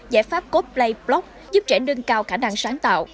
giải pháp codeplay block giúp trẻ nâng cao khả năng sáng tạo